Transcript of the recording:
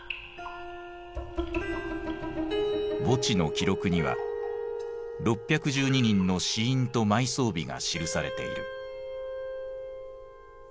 墓地の記録には６１２人の死因と埋葬日が記されている。